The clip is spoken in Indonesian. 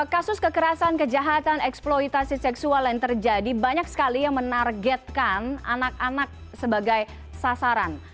kasus kekerasan kejahatan eksploitasi seksual yang terjadi banyak sekali yang menargetkan anak anak sebagai sasaran